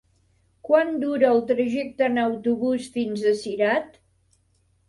Quant dura el trajecte en autobús fins a Cirat?